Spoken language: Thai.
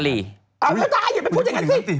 เอาไม่ได้อย่าไปพูดอย่างนั้นสิ